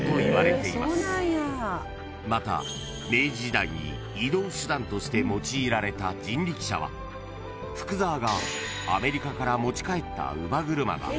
［また明治時代に移動手段として用いられた人力車は福沢がアメリカから持ち帰った］